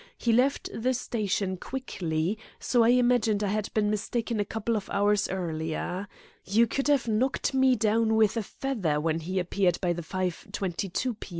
He left the station quickly, so I imagined I had been mistaken a couple of hours earlier. You could have knocked me down with a feather when he appeared by the 5.22 p.